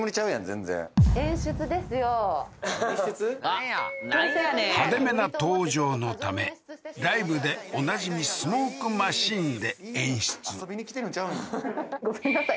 全然なんやなんやねん派手めな登場のためライブでおなじみスモークマシンで演出ごめんなさい